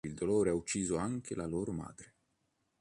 Il dolore ha ucciso anche la loro madre.